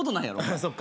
そっか。